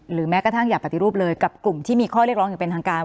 แม้กระทั่งอย่าปฏิรูปเลยกับกลุ่มที่มีข้อเรียกร้องอย่างเป็นทางการ